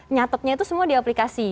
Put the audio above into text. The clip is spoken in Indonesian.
nyatetnya itu semua di aplikasi